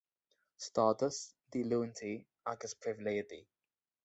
Stádas, Díolúintí agus Pribhléidí.